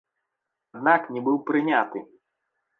Аднак не быў прыняты.